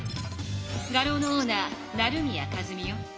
画廊のオーナー成宮数美よ。